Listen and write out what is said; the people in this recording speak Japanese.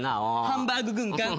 ハンバーグ軍艦。